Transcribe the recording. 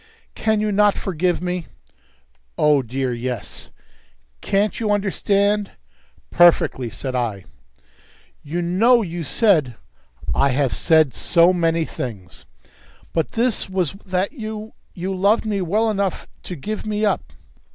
"Can you not forgive me?" "Oh, dear, yes." "Can't you understand?" "Perfectly," said I. "You know you said " "I have said so many things!" "But this was that you you loved me well enough to give me up."